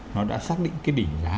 nó đã xác định cái đỉnh giá